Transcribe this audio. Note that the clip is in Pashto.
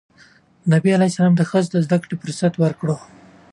نبي ﷺ ښځو ته د زدهکړې فرصت ورکړ.